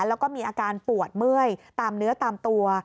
แล้วก็มีอาการปวดเมื่อยตามเนื้อตามตัว